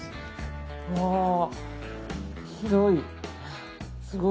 わぁ広い。